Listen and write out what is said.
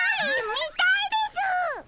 みたいです！